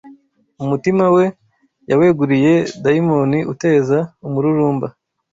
umutima we yaweguriye dayimoni uteza umururumba